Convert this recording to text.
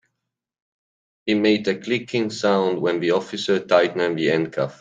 It made a clicking sound when the officer tightened the handcuffs.